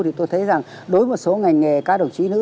thì tôi thấy rằng đối với một số ngành nghề cao độ trí nữ